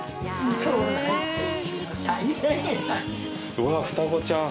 うわあ双子ちゃん。